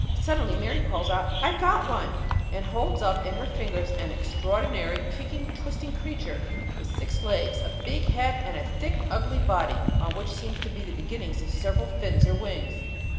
Suddenly Mary calls out, "I've got one," and holds up in her fingers an extraordinary, kicking, twisting creature with six legs, a big head, and a thick, ugly body on which seem to be the beginnings of several fins or wings.